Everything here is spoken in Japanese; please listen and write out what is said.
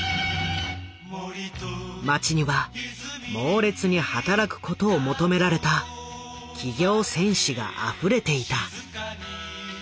街にはモーレツに働くことを求められた企業戦士があふれていた。